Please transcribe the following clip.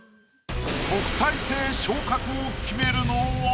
特待生昇格を決めるのは？